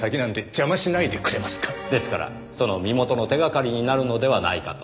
ですからその身元の手掛かりになるのではないかと。